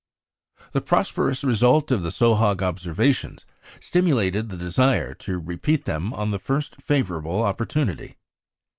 The prosperous result of the Sohag observations stimulated the desire to repeat them on the first favourable opportunity.